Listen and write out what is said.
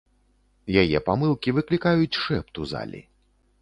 Яе памылкі выклікаюць шэпт у залі.